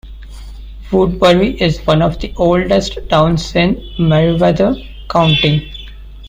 Woodbury is one of the oldest towns in Meriwether County.